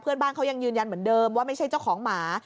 เพื่อนบ้านเขายังยืนยันเหมือนเดิมว่าไม่ใช่เจ้าของหมา